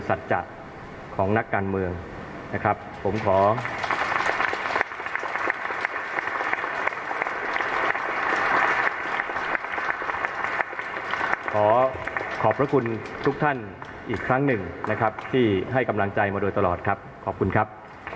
สัจจัดของนักการเมืองนะครับผมขอขอบพระคุณทุกท่านอีกครั้งหนึ่งนะครับที่ให้กำลังใจมาโดยตลอดครับขอบคุณครับ